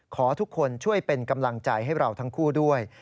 ขอทุกคนช่วยเป็นกำลังใจให้เราทั้งคู่ด้วย